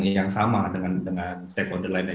yang sama dengan stakeholder lainnya